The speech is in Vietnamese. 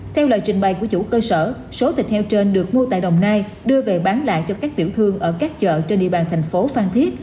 theo lời trình bày của chủ cơ sở số thịt heo trên được mua tại đồng nai đưa về bán lại cho các tiểu thương ở các chợ trên địa bàn thành phố phan thiết